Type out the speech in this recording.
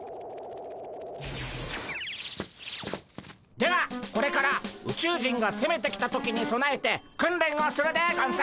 ではこれから宇宙人がせめてきた時にそなえて訓練をするでゴンス。